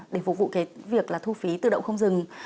để phục vụ việc thu phí tự động không dừng